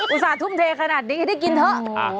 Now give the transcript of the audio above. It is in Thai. อุตส่าห์ทุ่มเทขนาดนี้ได้กินเถอะ